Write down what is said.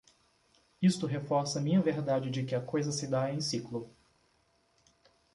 Isto reforça minha verdade de que a coisa se dá em ciclo